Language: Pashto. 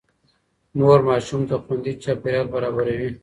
مور ماشوم ته خوندي چاپېريال برابروي.